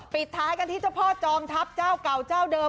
ปิดท้ายกันที่เจ้าพ่อจอมทัพเจ้าเก่าเจ้าเดิม